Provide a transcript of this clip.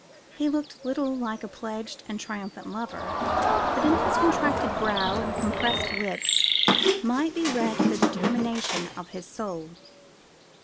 He looked little like a pledged and triumphant lover; but in his contracted brow and compressed lip might be read the determination of his soul.